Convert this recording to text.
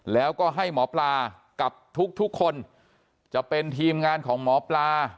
แล้วก็ให้หมอปลากับทุกทุกคนจะเป็นทีมงานของหมอปลา